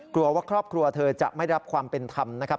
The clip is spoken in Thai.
กลัวว่าครอบครัวเธอจะไม่ได้รับความเป็นธรรมนะครับ